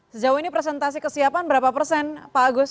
sejauh ini presentasi kesiapan berapa persen pak agus